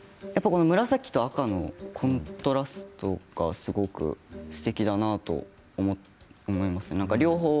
紫と赤のコントラストがすごくすてきだなと思いますね。